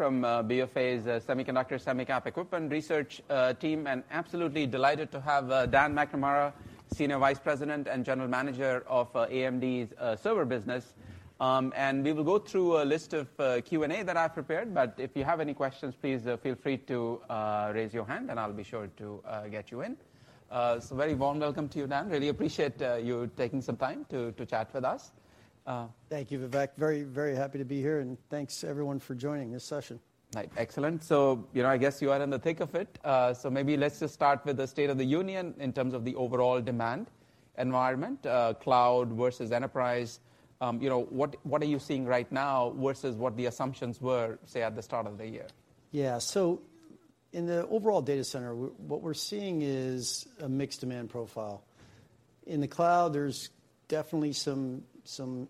From BofA's Semiconductor, Semi Cap Equipment research team, absolutely delighted to have Dan McNamara, Senior Vice President and General Manager of AMD's server business. We will go through a list of Q&A that I've prepared, but if you have any questions, please feel free to raise your hand, and I'll be sure to get you in. Very warm welcome to you, Dan. Really appreciate you taking some time to chat with us. Thank you, Vivek. Very, very happy to be here, and thanks, everyone, for joining this session. Right. Excellent. you know, I guess you are in the thick of it. maybe let's just start with the state of the union in terms of the overall demand environment, cloud versus enterprise. you know, what are you seeing right now versus what the assumptions were, say, at the start of the year? In the overall data center, what we're seeing is a mixed demand profile. In the cloud, there's definitely some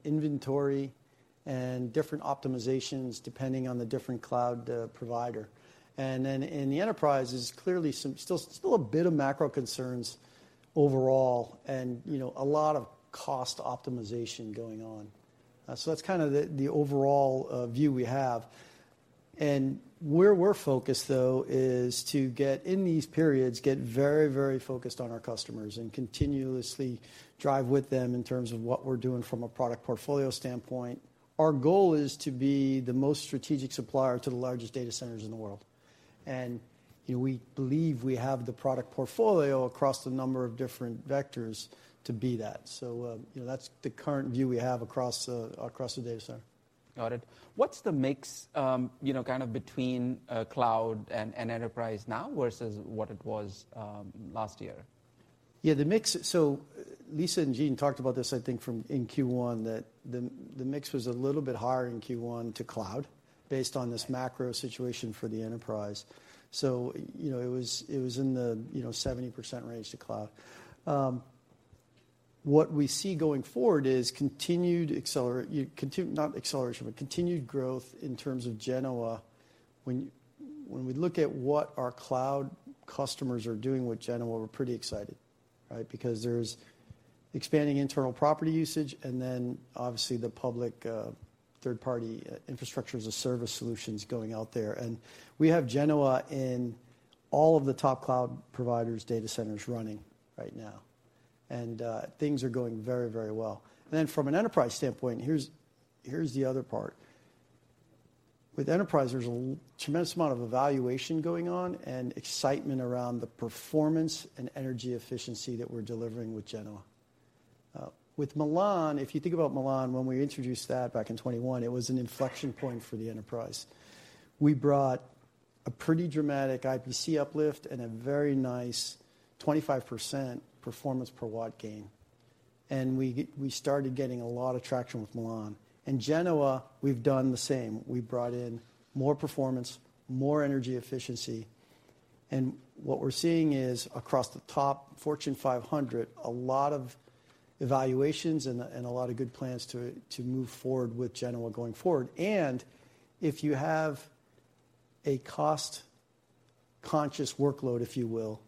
inventory and different optimizations depending on the different cloud provider. In the enterprise, there's clearly still a bit of macro concerns overall and, you know, a lot of cost optimization going on. That's kind of the overall view we have. Where we're focused, though, is to get in these periods, get very focused on our customers and continuously drive with them in terms of what we're doing from a product portfolio standpoint. Our goal is to be the most strategic supplier to the largest data centers in the world, and, you know, we believe we have the product portfolio across a number of different vectors to be that. You know, that's the current view we have across across the data center. Got it. What's the mix, you know, kind of between cloud and enterprise now versus what it was last year? The mix. Lisa and Gene talked about this, I think, from in Q1, that the mix was a little bit higher in Q1 to cloud based on this macro situation for the enterprise. You know, it was in the, you know, 70% range to cloud. What we see going forward is continued not acceleration, but continued growth in terms of Genoa. When we look at what our cloud customers are doing with Genoa, we're pretty excited, right? Because there's expanding internal property usage and then obviously the public third-party infrastructure as a service solutions going out there. We have Genoa in all of the top cloud providers' data centers running right now, and things are going very, very well. From an enterprise standpoint, here's the other part: with enterprise, there's a tremendous amount of evaluation going on and excitement around the performance and energy efficiency that we're delivering with Genoa. With Milan, if you think about Milan, when we introduced that back in 2021, it was an inflection point for the enterprise. We brought a pretty dramatic IPC uplift and a very nice 25% performance per watt gain, and we started getting a lot of traction with Milan. In Genoa, we've done the same. We brought in more performance, more energy efficiency, and what we're seeing is, across the top Fortune 500, a lot of evaluations and a lot of good plans to move forward with Genoa going forward. If you have a cost-conscious workload, if you will,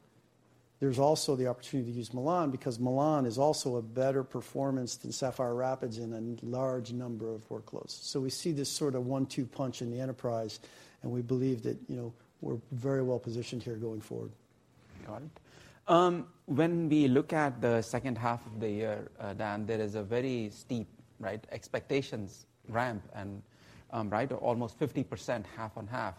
there's also the opportunity to use Milan, because Milan is also a better performance than Sapphire Rapids in a large number of workloads. We see this sort of one-two punch in the enterprise, and we believe that, you know, we're very well positioned here going forward. Got it. When we look at the second half of the year, Dan, there is a very steep expectations ramp and almost 50%, half on half.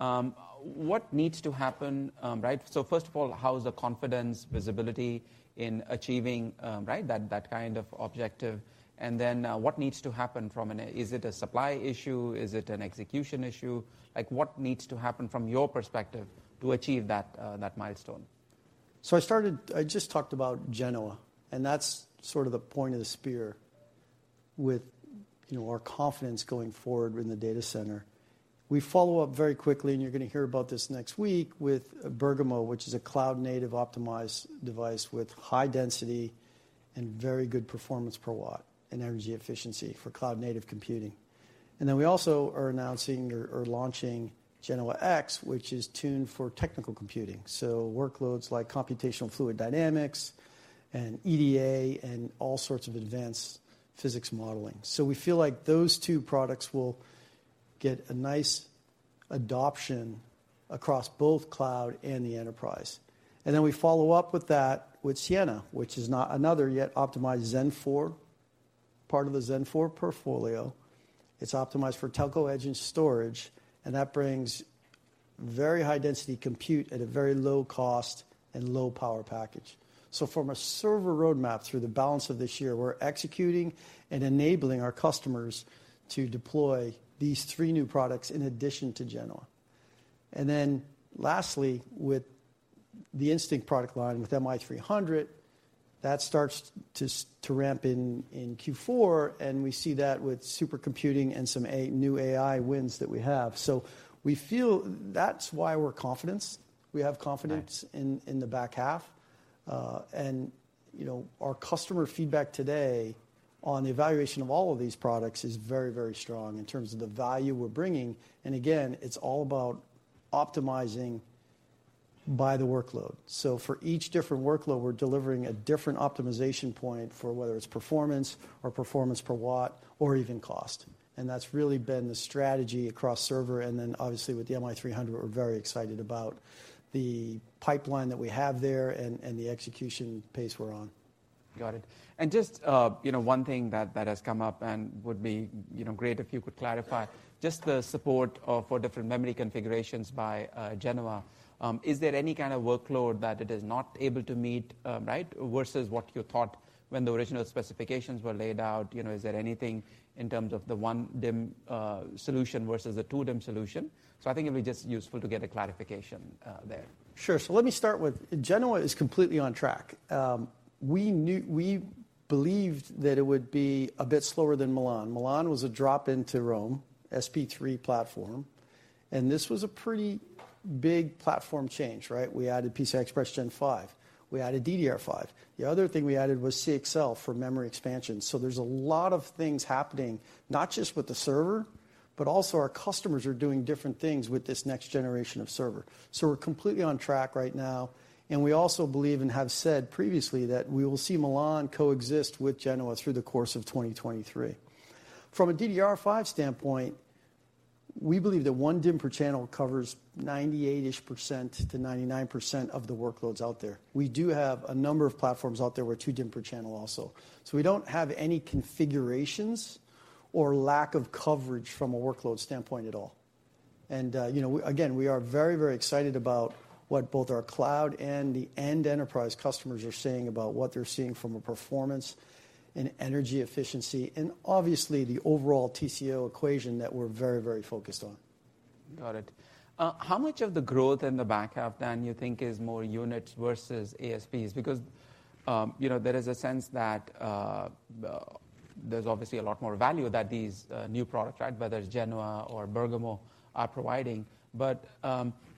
What needs to happen? First of all, how is the confidence, visibility in achieving that kind of objective? Then, what needs to happen from an... Is it a supply issue? Is it an execution issue? Like, what needs to happen from your perspective to achieve that milestone? I just talked about Genoa, and that's sort of the point of the spear with, you know, our confidence going forward in the data center. We follow up very quickly, and you're going to hear about this next week with Bergamo, which is a cloud-native optimized device with high density and very good performance per watt and energy efficiency for cloud-native computing. We also are announcing or launching Genoa-X, which is tuned for technical computing, so workloads like computational fluid dynamics and EDA and all sorts of advanced physics modeling. We feel like those two products will get a nice adoption across both cloud and the enterprise. We follow up with that with Siena, which is another yet optimized Zen 4, part of the Zen 4 portfolio. It's optimized for telco, edge, and storage. That brings very high-density compute at a very low cost and low power package. From a server roadmap through the balance of this year, we're executing and enabling our customers to deploy these three new products in addition to Genoa. Lastly, with the Instinct product line, with MI300, that starts to ramp in Q4, and we see that with supercomputing and some new AI wins that we have. We feel that's why we have confidence. Right. in the back half. You know, our customer feedback today on the evaluation of all of these products is very, very strong in terms of the value we're bringing, and again, it's all about by the workload. So for each different workload, we're delivering a different optimization point for whether it's performance or performance per watt or even cost. That's really been the strategy across server. Obviously with the MI300, we're very excited about the pipeline that we have there and the execution pace we're on. Got it. Just, you know, one thing that has come up and would be, you know, great if you could clarify, just the support for different memory configurations by Genoa. Is there any kind of workload that it is not able to meet, right, versus what you thought when the original specifications were laid out? You know, is there anything in terms of the one DIMM solution versus the two-DIMM solution? I think it'd be just useful to get a clarification there. Sure. Genoa is completely on track. We believed that it would be a bit slower than Milan. Milan was a drop into Rome, SP3 platform, and this was a pretty big platform change, right? We added PCI Express Gen 5. We added DDR5. The other thing we added was CXL for memory expansion. There's a lot of things happening, not just with the server, but also our customers are doing different things with this next generation of server. We're completely on track right now, and we also believe and have said previously that we will see Milan coexist with Genoa through the course of 2023. From a DDR5 standpoint, we believe that one DIMM per channel covers 98%-ish to 99% of the workloads out there. We do have a number of platforms out there where two DIMMs per channel also. We don't have any configurations or lack of coverage from a workload standpoint at all. You know, again, we are very, very excited about what both our cloud and the end enterprise customers are saying about what they're seeing from a performance and energy efficiency, and obviously, the overall TCO equation that we're very, very focused on. Got it. How much of the growth in the back half, Dan, you think is more units versus ASPs? You know, there is a sense that, there's obviously a lot more value that these, new products, right, whether it's Genoa or Bergamo, are providing.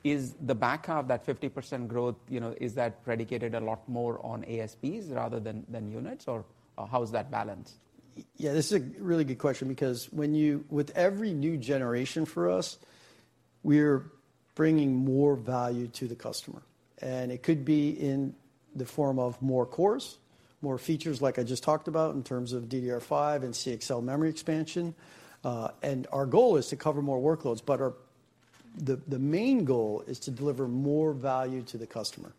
Is the back half, that 50% growth, you know, is that predicated a lot more on ASPs rather than units, or how is that balanced? Yeah, this is a really good question because when you with every new generation for us, we're bringing more value to the customer. It could be in the form of more cores, more features like I just talked about in terms of DDR5 and CXL memory expansion, and our goal is to cover more workloads. Our main goal is to deliver more value to the customer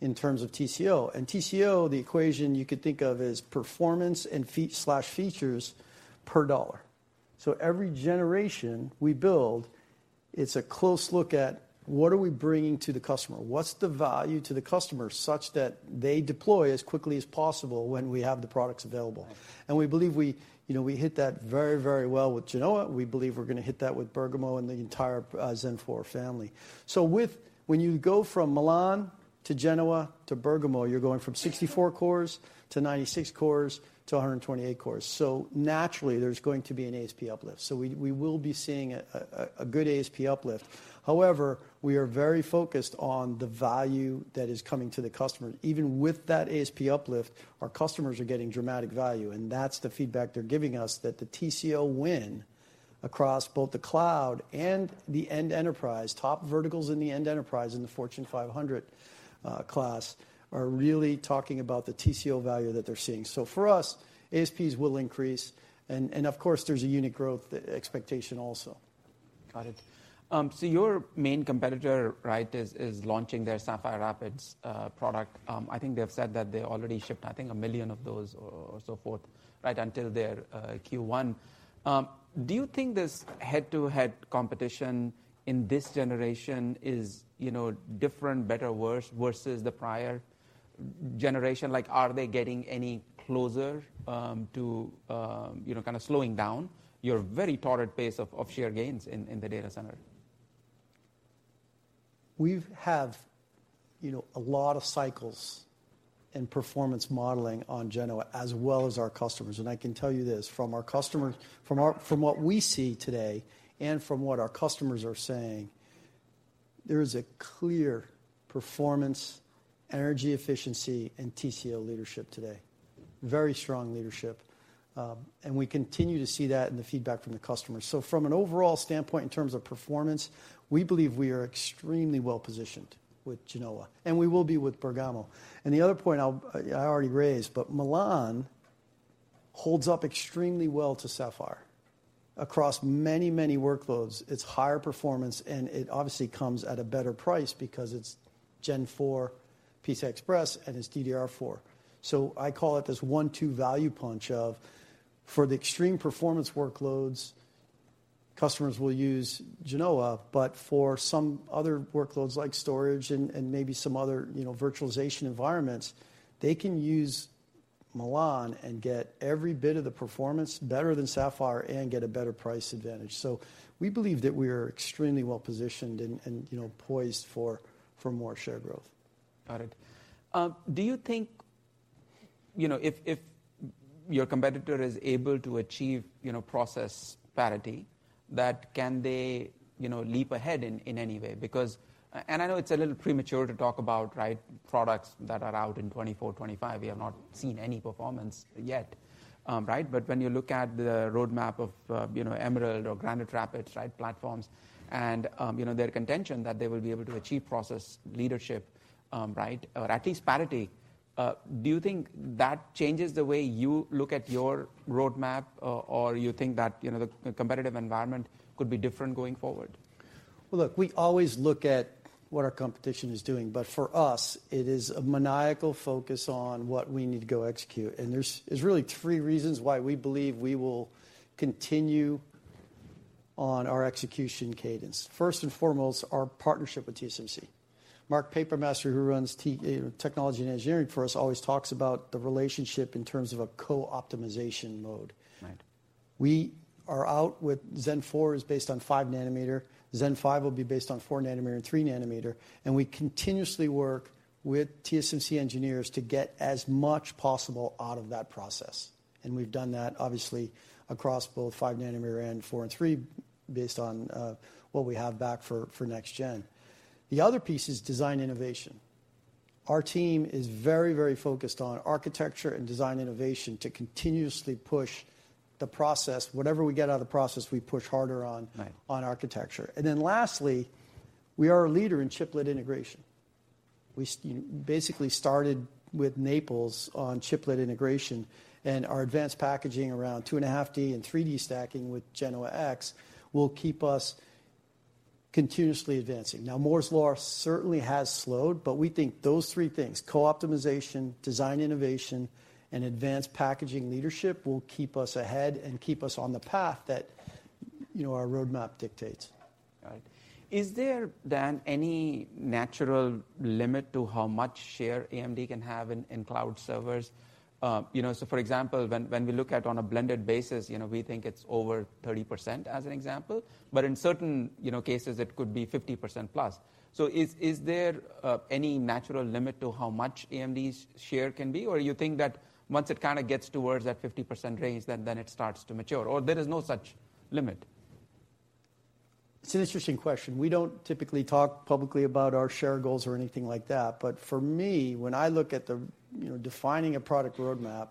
in terms of TCO. TCO, the equation you could think of as performance and feat/features per dollar. Every generation we build, it's a close look at: What are we bringing to the customer? What's the value to the customer, such that they deploy as quickly as possible when we have the products available? Right. We believe we, you know, we hit that very, very well with Genoa. We believe we're gonna hit that with Bergamo and the entire Zen 4 family. When you go from Milan to Genoa to Bergamo, you're going from 64 cores to 96 cores to 128 cores. Naturally, there's going to be an ASP uplift. We will be seeing a good ASP uplift. However, we are very focused on the value that is coming to the customer. Even with that ASP uplift, our customers are getting dramatic value, and that's the feedback they're giving us, that the TCO win across both the cloud and the end enterprise, top verticals in the end enterprise, in the Fortune 500 class, are really talking about the TCO value that they're seeing. For us, ASPs will increase and of course, there's a unit growth expectation also. Got it. Your main competitor, right, is launching their Sapphire Rapids product. I think they've said that they already shipped, I think, 1 million of those or so forth, right, until their Q1. Do you think this head-to-head competition in this generation is, you know, different, better, worse versus the prior generation? Like, are they getting any closer to, you know, kind of slowing down your very torrid pace of share gains in the data center? We've have, you know, a lot of cycles and performance modeling on Genoa as well as our customers. I can tell you this, from our, from what we see today and from what our customers are saying, there is a clear performance, energy efficiency, and TCO leadership today. Very strong leadership, and we continue to see that in the feedback from the customers. From an overall standpoint, in terms of performance, we believe we are extremely well-positioned with Genoa, and we will be with Bergamo. The other point I already raised, but Milan holds up extremely well to Sapphire. Across many, many workloads, it's higher performance, and it obviously comes at a better price because it's Gen 4 PCI Express and is DDR4. I call it this one-two value punch of, for the extreme performance workloads, customers will use Genoa, but for some other workloads like storage and maybe some other, you know, virtualization environments, they can use Milan and get every bit of the performance better than Sapphire and get a better price advantage. We believe that we are extremely well-positioned and, you know, poised for more share growth. Got it. Do you think, you know, if your competitor is able to achieve, you know, process parity, that can they, you know, leap ahead in any way? I know it's a little premature to talk about, right, products that are out in 2024, 2025. We have not seen any performance yet, right? When you look at the roadmap of, you know, Emerald Rapids or Granite Rapids, right, platforms, you know, their contention that they will be able to achieve process leadership, right, or at least parity, do you think that changes the way you look at your roadmap? Or you think that, you know, the competitive environment could be different going forward? Well, look, we always look at what our competition is doing, but for us, it is a maniacal focus on what we need to go execute. There's really three reasons why we believe we will continue on our execution cadence. First and foremost, our partnership with TSMC. Mark Papermaster, who runs Technology and Engineering for us, always talks about the relationship in terms of a co-optimization mode. Right. We are out with Zen 4 is based on 5nm. Zen 5 will be based on 4nm and 3nm, and we continuously work with TSMC engineers to get as much possible out of that process, and we've done that obviously across both 5nm and 4nm and 3nm based on what we have back for next-gen. The other piece is design innovation. Our team is very, very focused on architecture and design innovation to continuously push the process. Whatever we get out of the process, we push harder on. Right. On architecture. Lastly, we are a leader in chiplet integration. We basically started with Naples on chiplet integration, and our advanced packaging around 2.5D and 3D stacking with Genoa-X will keep us continuously advancing. Moore's Law certainly has slowed, but we think those three things: co-optimization, design innovation, and advanced packaging leadership will keep us ahead and keep us on the path that, you know, our roadmap dictates. Right. Is there, Dan, any natural limit to how much share AMD can have in cloud servers? you know, so for example, when we look at on a blended basis, you know, we think it's over 30% as an example, but in certain, you know, cases it could be 50% plus. Is there any natural limit to how much AMD's share can be? Or you think that once it kind of gets towards that 50% range, then it starts to mature, or there is no such limit? It's an interesting question. We don't typically talk publicly about our share goals or anything like that, for me, when I look at the, you know, defining a product roadmap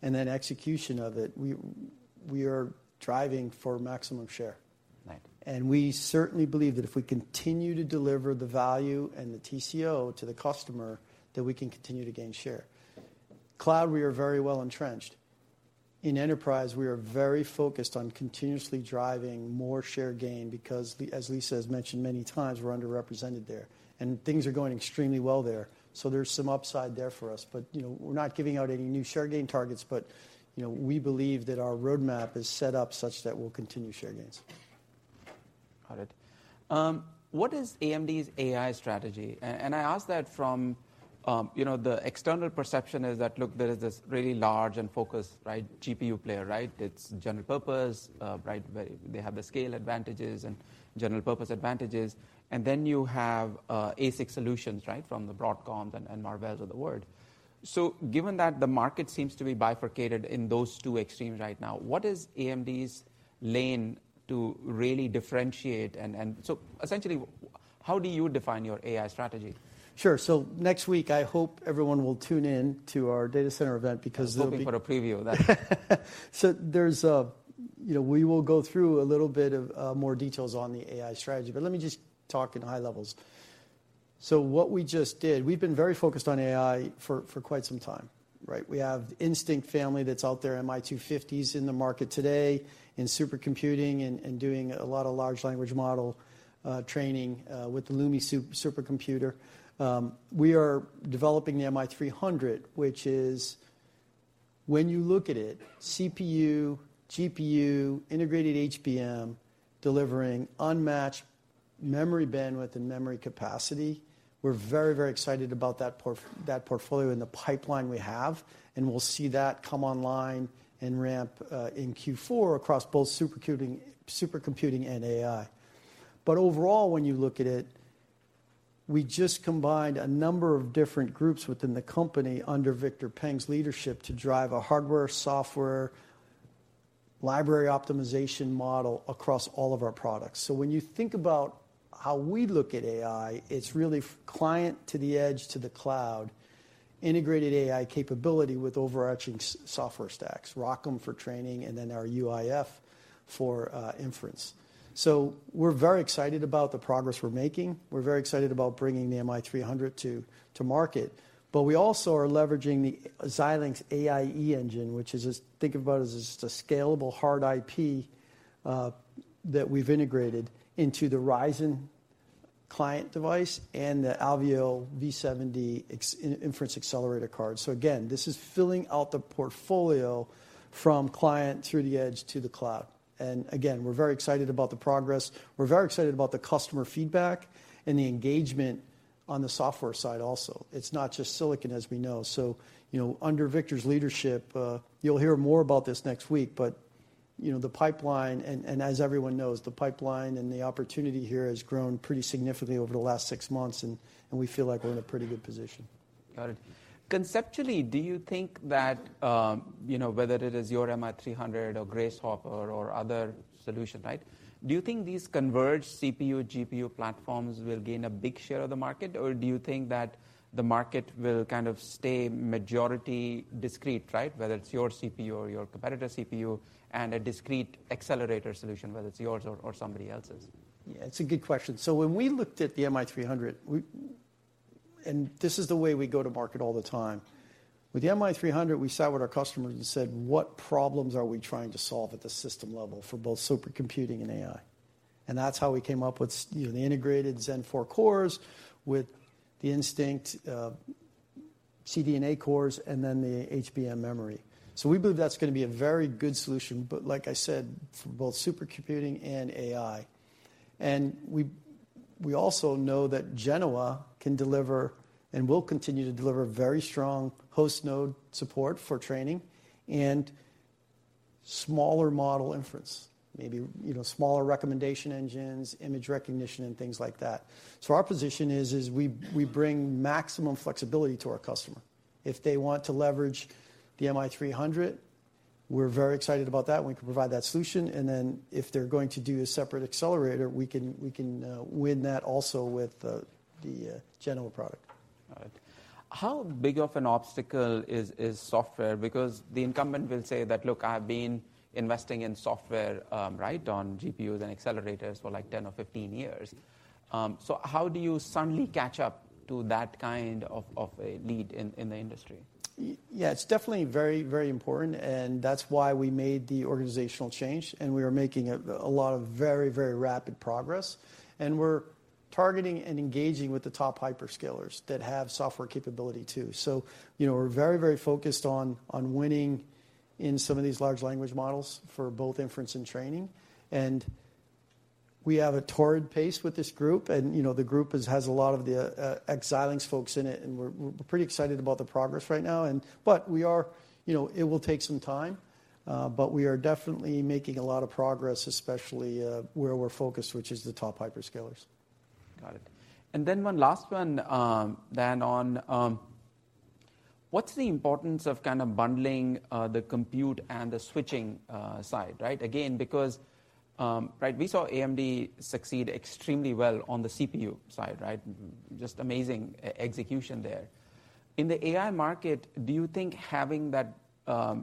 and then execution of it, we are driving for maximum share. Right. We certainly believe that if we continue to deliver the value and the TCO to the customer, that we can continue to gain share. Cloud, we are very well entrenched. In enterprise, we are very focused on continuously driving more share gain because as Lisa has mentioned many times, we're underrepresented there, and things are going extremely well there. There's some upside there for us, but, you know, we're not giving out any new share gain targets, but, you know, we believe that our roadmap is set up such that we'll continue share gains. Got it. What is AMD's AI strategy? I ask that from, you know, the external perception is that, look, there is this really large and focused, right, GPU player, right. It's general purpose, right, they have the scale advantages and general purpose advantages. Then you have ASIC solutions, right, from the Broadcoms and Marvells of the world. Given that the market seems to be bifurcated in those two extremes right now, what is AMD's lane to really differentiate? So essentially, how do you define your AI strategy? Sure. Next week, I hope everyone will tune in to our data center event, because there'll be. I was hoping for a preview of that. You know, we will go through a little bit of more details on the AI strategy, but let me just talk in high levels. What we just did, we've been very focused on AI for quite some time, right? We have Instinct family that's out there, MI250 is in the market today, in supercomputing and doing a lot of large language model training with LUMI supercomputer. We are developing the MI300, which is, when you look at it, CPU, GPU, integrated HBM, delivering unmatched memory bandwidth and memory capacity. We're very excited about that portfolio and the pipeline we have, and we'll see that come online and ramp in Q4 across both supercomputing and AI. Overall, when you look at it, we just combined a number of different groups within the company under Victor Peng's leadership, to drive a hardware, software, library optimization model across all of our products. When you think about how we look at AI, it's really client to the edge to the cloud, integrated AI capability with overarching software stacks, ROCm for training, and then our UIF for inference. We're very excited about the progress we're making. We're very excited about bringing the MI300 to market. We also are leveraging the Xilinx AI Engine, which is just, think about it as just a scalable hard IP that we've integrated into the Ryzen client device and the Alveo V70 inference accelerator card. Again, this is filling out the portfolio from client through the edge to the cloud. Again, we're very excited about the progress. We're very excited about the customer feedback and the engagement on the software side also. It's not just silicon, as we know. You know, under Victor's leadership, you'll hear more about this next week, you know, the pipeline, and as everyone knows, the pipeline and the opportunity here has grown pretty significantly over the last six months, and we feel like we're in a pretty good position. Got it. Conceptually, do you think that, you know, whether it is your MI300 or Grace Hopper or other solution, right? Do you think these converged CPU, GPU platforms will gain a big share of the market, or do you think that the market will kind of stay majority discrete, right? Whether it's your CPU or your competitor's CPU and a discrete accelerator solution, whether it's yours or somebody else's. Yeah, it's a good question. When we looked at the MI300, and this is the way we go to market all the time. With the MI300, we sat with our customers and said, "What problems are we trying to solve at the system level for both supercomputing and AI?" That's how we came up with, you know, the integrated Zen 4 cores with the Instinct CDNA cores, and then the HBM memory. We believe that's gonna be a very good solution, but like I said, for both supercomputing and AI. We also know that Genoa can deliver and will continue to deliver very strong host node support for training and smaller model inference, maybe, you know, smaller recommendation engines, image recognition, and things like that. Our position is, we bring maximum flexibility to our customer. If they want to leverage the MI300, we're very excited about that, and we can provide that solution. Then, if they're going to do a separate accelerator, we can win that also with the Genoa product. All right. How big of an obstacle is software? Because the incumbent will say that, "Look, I've been investing in software, right, on GPUs and accelerators for, like, 10 or 15 years." How do you suddenly catch up to that kind of a lead in the industry? Yeah, it's definitely very, very important, and that's why we made the organizational change, and we are making a lot of very, very rapid progress. We're targeting and engaging with the top hyperscalers that have software capability too. You know, we're very, very focused on winning in some of these large language models for both inference and training. We have a torrid pace with this group, and, you know, the group has a lot of the Xilinx folks in it, and we're pretty excited about the progress right now. You know, it will take some time, but we are definitely making a lot of progress, especially where we're focused, which is the top hyperscalers. Got it. One last one, what's the importance of kind of bundling the compute and the switching side, right? Again, because, we saw AMD succeed extremely well on the CPU side, right? Just amazing e-execution there. In the AI market, do you think having that,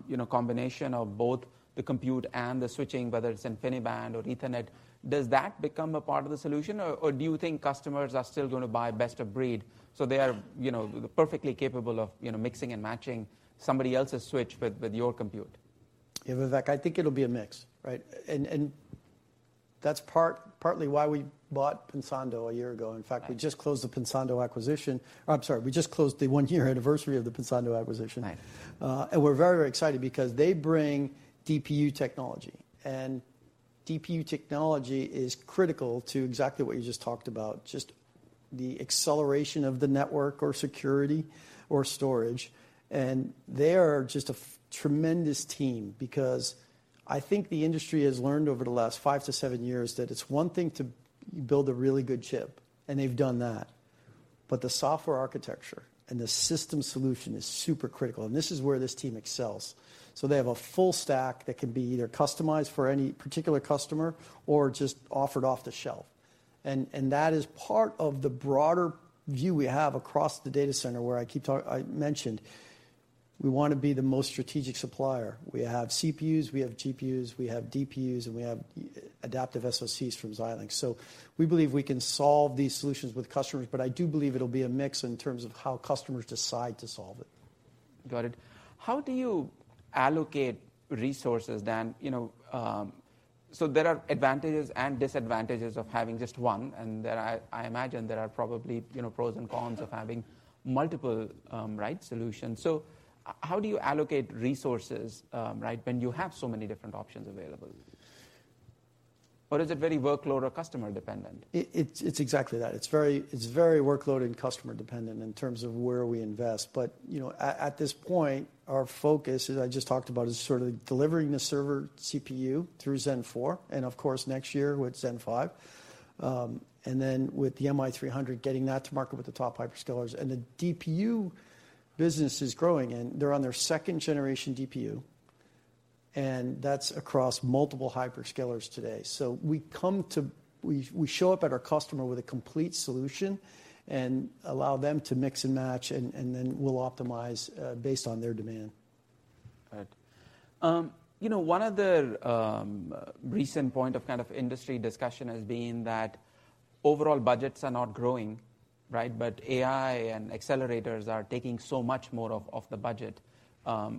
you know, combination of both the compute and the switching, whether it's InfiniBand or Ethernet, does that become a part of the solution, or do you think customers are still gonna buy best of breed, so they are, you know, perfectly capable of, you know, mixing and matching somebody else's switch with your compute? Yeah, Vivek, I think it'll be a mix, right? That's partly why we bought Pensando a year ago. In fact, I'm sorry, we just closed the one-year anniversary of the Pensando acquisition. Right. We're very excited because they bring DPU technology, and DPU technology is critical to exactly what you just talked about, just the acceleration of the network or security or storage. They are just a tremendous team because I think the industry has learned over the last five to seven years that it's one thing to build a really good chip, and they've done that, but the software architecture and the system solution is super critical, and this is where this team excels. They have a full stack that can be either customized for any particular customer or just offered off the shelf. That is part of the broader view we have across the data center, where I mentioned we want to be the most strategic supplier. We have CPUs, we have GPUs, we have DPUs, and we have adaptive SoCs from Xilinx. We believe we can solve these solutions with customers, but I do believe it'll be a mix in terms of how customers decide to solve it. Got it. How do you allocate resources then? You know, there are advantages and disadvantages of having just one, and I imagine there are probably, you know, pros and cons of having multiple, right, solutions. How do you allocate resources, right, when you have so many different options available? Or is it very workload or customer dependent? It's exactly that. It's very workload and customer dependent in terms of where we invest. You know, at this point, our focus, as I just talked about, is sort of delivering the server CPU through Zen 4 and, of course, next year with Zen 5. Then with the MI300, getting that to market with the top hyperscalers. The DPU business is growing, and they're on their second generation DPU, and that's across multiple hyperscalers today. We show up at our customer with a complete solution and allow them to mix and match, and then we'll optimize based on their demand. Right. You know, one other recent point of kind of industry discussion has been that overall budgets are not growing, right? AI and accelerators are taking so much more of the budget. How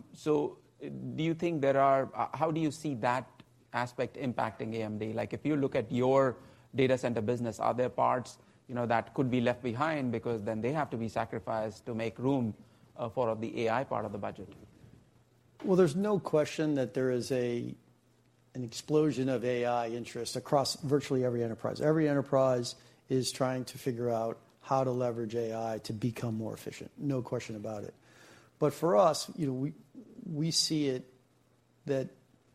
do you see that aspect impacting AMD? Like, if you look at your data center business, are there parts, you know, that could be left behind because then they have to be sacrificed to make room, for the AI part of the budget? Well, there's no question that there is an explosion of AI interest across virtually every enterprise. Every enterprise is trying to figure out how to leverage AI to become more efficient, no question about it. For us, you know, we see that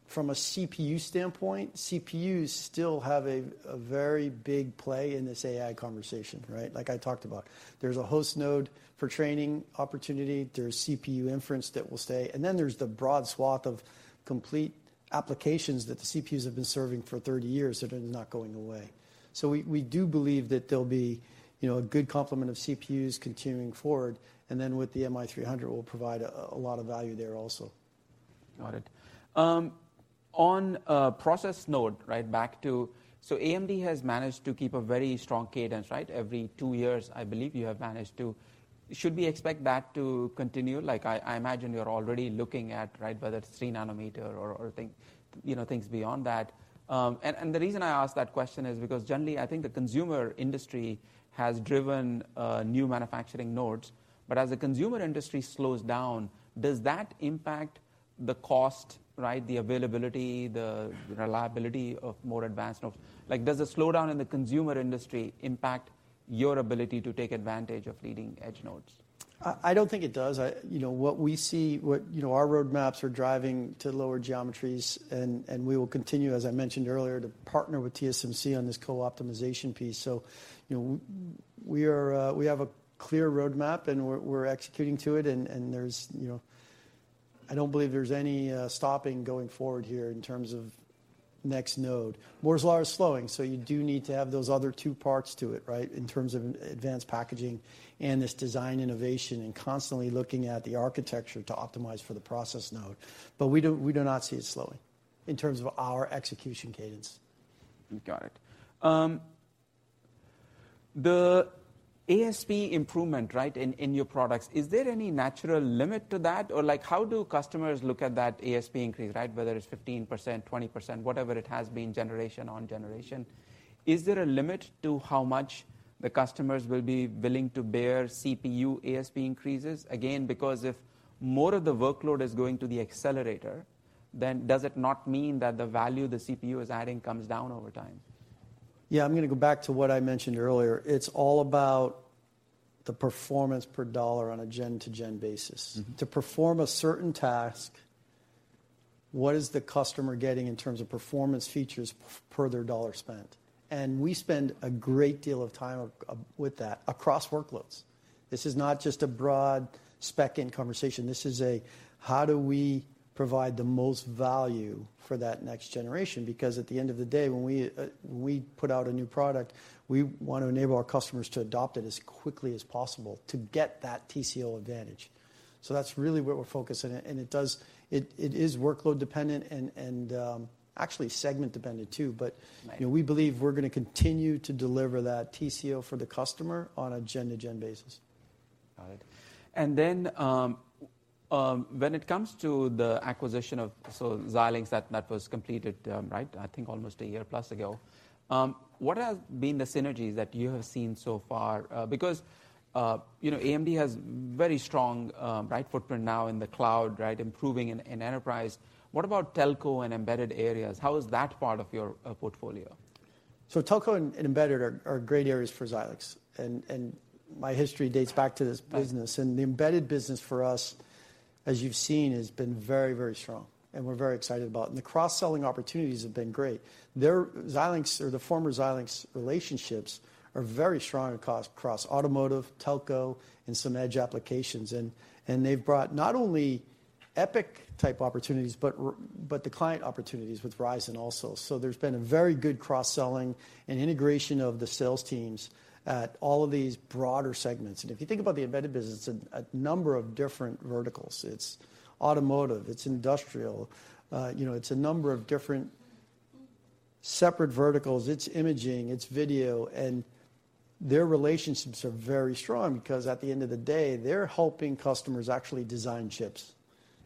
from a CPU standpoint, CPUs still have a very big play in this AI conversation, right? Like I talked about. There's a host node for training opportunity, there's CPU inference that will stay, and then there's the broad swath of complete applications that the CPUs have been serving for 30 years that are not going away. We do believe that there'll be, you know, a good complement of CPUs continuing forward, and then with the MI300, we'll provide a lot of value there also. Got it. On process node, right? AMD has managed to keep a very strong cadence, right? Every two years, I believe you have managed to. Should we expect that to continue? Like, I imagine you're already looking at, right, whether it's 3nm, you know, things beyond that. The reason I ask that question is because generally, I think the consumer industry has driven new manufacturing nodes. As the consumer industry slows down, does that impact the cost, right, the availability, the reliability of more advanced nodes? Like, does the slowdown in the consumer industry impact your ability to take advantage of leading-edge nodes? I don't think it does. You know, what we see, you know, our roadmaps are driving to lower geometries, and we will continue, as I mentioned earlier, to partner with TSMC on this co-optimization piece. You know, we are, we have a clear roadmap, and we're executing to it, and there's, you know, I don't believe there's any stopping going forward here in terms of next node. Moore's Law is slowing, so you do need to have those other two parts to it, right? In terms of advanced packaging and this design innovation and constantly looking at the architecture to optimize for the process node. We do not see it slowing in terms of our execution cadence. Got it. The ASP improvement, right, in your products, is there any natural limit to that? Or, like, how do customers look at that ASP increase, right? Whether it's 15%, 20%, whatever it has been generation on generation. Is there a limit to how much the customers will be willing to bear CPU ASP increases? Again, because if more of the workload is going to the accelerator, then does it not mean that the value the CPU is adding comes down over time? Yeah, I'm gonna go back to what I mentioned earlier. It's all about the performance per dollar on a gen-to-gen basis. Mm-hmm. To perform a certain task, what is the customer getting in terms of performance features per their $ spent? We spend a great deal of time with that across workloads. This is not just a broad spec-in conversation. This is a, how do we provide the most value for that next generation? At the end of the day, when we put out a new product, we want to enable our customers to adopt it as quickly as possible to get that TCO advantage. That's really what we're focusing, and it is workload dependent and actually segment dependent too. Right. You know, we believe we're gonna continue to deliver that TCO for the customer on a gen-to-gen basis. Got it. When it comes to the acquisition of Xilinx, that was completed, right, I think almost 1 year plus ago, what has been the synergies that you have seen so far? Because, you know, AMD has very strong, right, footprint now in the cloud, right, improving in enterprise. What about telco and embedded areas? How is that part of your portfolio? Telco and embedded are great areas for Xilinx, and my history dates back to this business. Right. The embedded business for us, as you've seen, has been very, very strong, and we're very excited about it. The cross-selling opportunities have been great. Their Xilinx, or the former Xilinx, relationships are very strong across automotive, telco, and some edge applications. They've brought not only EPYC-type opportunities, but the client opportunities with Ryzen also. There's been a very good cross-selling and integration of the sales teams at all of these broader segments. If you think about the embedded business, it's a number of different verticals. It's automotive, it's industrial, you know, it's a number of different separate verticals. It's imaging, it's video, and their relationships are very strong because at the end of the day, they're helping customers actually design chips.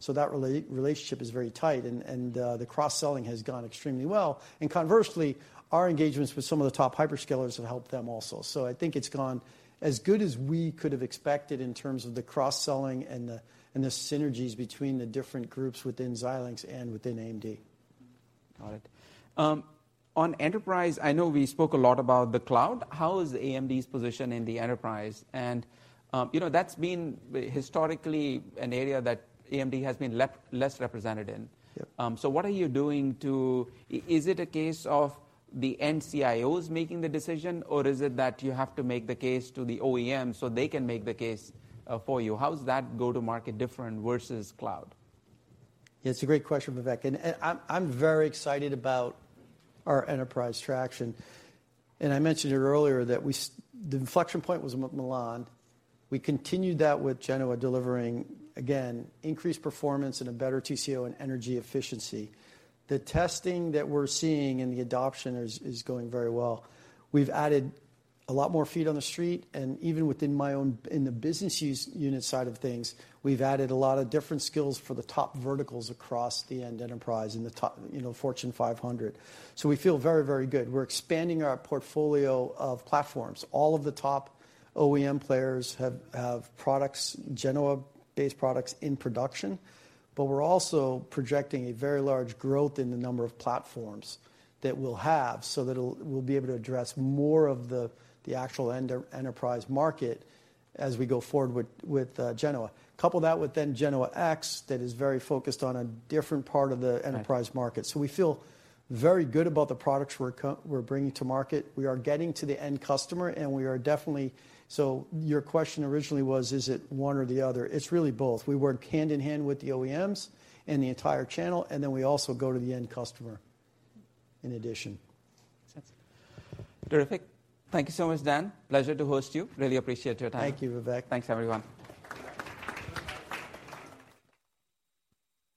That relationship is very tight, and the cross-selling has gone extremely well. Conversely, our engagements with some of the top hyperscalers have helped them also. I think it's gone as good as we could have expected in terms of the cross-selling and the synergies between the different groups within Xilinx and within AMD. Got it. On enterprise, I know we spoke a lot about the cloud. How is AMD's position in the enterprise? You know, that's been historically an area that AMD has been left less represented in. Yep. What are you doing to... is it a case of the CIOs making the decision, or is it that you have to make the case to the OEM, so they can make the case for you? How does that go to market different versus cloud? It's a great question, Vivek, I'm very excited about our enterprise traction. I mentioned it earlier that the inflection point was Milan. We continued that with Genoa, delivering, again, increased performance and a better TCO and energy efficiency. The testing that we're seeing and the adoption is going very well. We've added a lot more feet on the street, and even within my own business unit side of things, we've added a lot of different skills for the top verticals across the enterprise and the top, you know, Fortune 500. We feel very good. We're expanding our portfolio of platforms. All of the top OEM players have products, Genoa-based products, in production. We're also projecting a very large growth in the number of platforms that we'll have. We'll be able to address more of the actual end enterprise market as we go forward with Genoa. Couple that with Genoa X, that is very focused on a different part of the enterprise market. Right. We feel very good about the products we're bringing to market. We are getting to the end customer, and we are definitely. Your question originally was, is it one or the other? It's really both. We work hand in hand with the OEMs and the entire channel, and then we also go to the end customer in addition. Makes sense. Terrific. Thank you so much, Dan. Pleasure to host you. Really appreciate your time. Thank you, Vivek. Thanks, everyone.